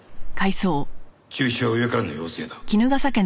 中止は上からの要請だ。